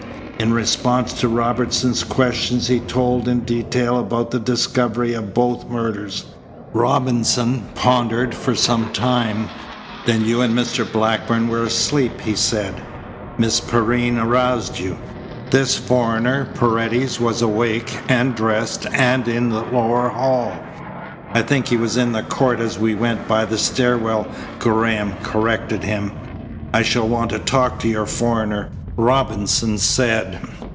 In response to Robinson's questions he told in detail about the discovery of both murders. Robinson pondered for some time. "Then you and Mr. Blackburn were asleep," he said. "Miss Perrine aroused you. This foreigner Paredes was awake and dressed and in the lower hall." "I think he was in the court as we went by the stair well," Graham corrected him. "I shall want to talk to your foreigner," Robinson said.